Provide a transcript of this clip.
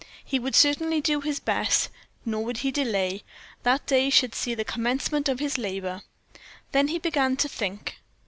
He would certainly do his best, nor would he delay that day should see the commencement of his labor. Then he began to think.